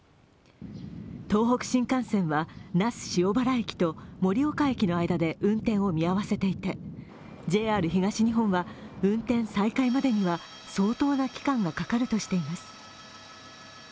東北新幹線は那須塩原駅と盛岡駅の間で運転を見合わせていてＪＲ東日本は運転再開までには相当な期間がかかるとしています。